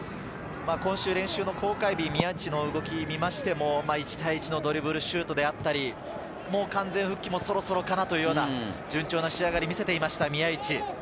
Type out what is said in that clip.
宮市の動きを見ても１対１のドリブル、シュートであったり、完全復帰もそろそろかなというような順調な仕上がりを見せていました。